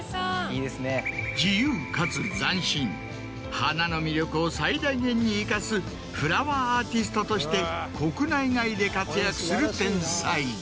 花の魅力を最大限に生かすフラワーアーティストとして国内外で活躍する天才。